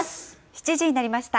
７時になりました。